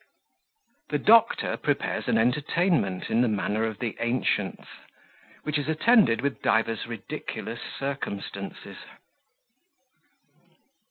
The Doctor prepares an Entertainment in the Manner of the Ancients, which is attended with divers ridiculous Circumstances.